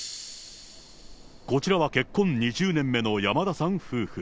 こちらは結婚２０年目の山田さん夫婦。